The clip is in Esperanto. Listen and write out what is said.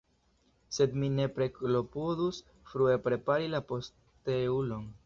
Sed mi nepre klopodus frue prepari la posteulon.